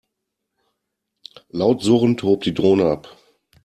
Laut surrend hob die Drohne ab.